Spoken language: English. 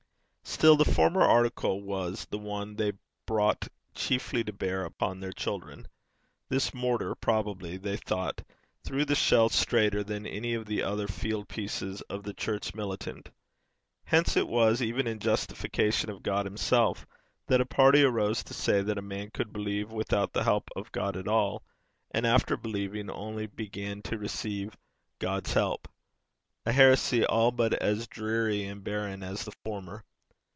Still the former article was the one they brought chiefly to bear upon their children. This mortar, probably they thought, threw the shell straighter than any of the other field pieces of the church militant. Hence it was even in justification of God himself that a party arose to say that a man could believe without the help of God at all, and after believing only began to receive God's help a heresy all but as dreary and barren as the former.